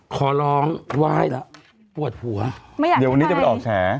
ขอร้องไหว้แล้วปวดหัวไม่อยากเดี๋ยววันนี้จะไปออกแฉ